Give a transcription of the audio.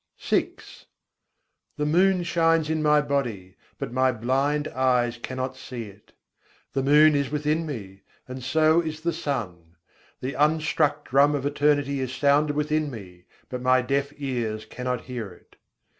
VI I. 83. candâ jhalkai yahi ghat mâhîn The moon shines in my body, but my blind eyes cannot see it: The moon is within me, and so is the sun. The unstruck drum of Eternity is sounded within me; but my deaf ears cannot hear it.